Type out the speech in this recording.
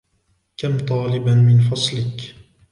كم طالبًا في فصلك ؟